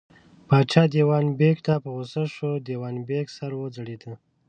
پاچا دېوان بېګ ته په غوسه شو، د دېوان بېګ سر وځړېد.